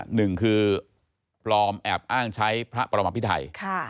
หนึ่งคือปลอมแอบอ้างใช้พระประมาพิไทย